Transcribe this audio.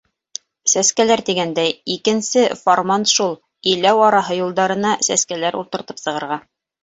Сәскәләр тигәндәй, икенсе фарман шул: иләү араһы юлдарына сәскәләр ултыртып сыгырға!!!